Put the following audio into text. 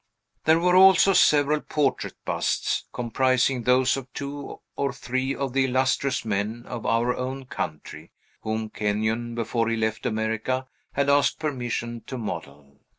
There were also several portrait busts, comprising those of two or three of the illustrious men of our own country, whom Kenyon, before he left America, had asked permission to model.